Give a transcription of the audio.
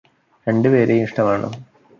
രണ്ടു പേരെയും ഇഷ്ടമാണ്